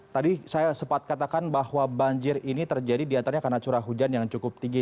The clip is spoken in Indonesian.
tadi saya sempat katakan bahwa banjir ini terjadi diantaranya karena curah hujan yang cukup tinggi